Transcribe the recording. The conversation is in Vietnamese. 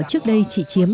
trước đây chỉ chiếm